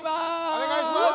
おねがいします！